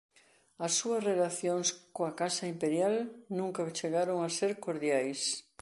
As súas relacións coa casa imperial nunca chegaron a ser cordiais.